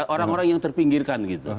orang orang yang terpinggirkan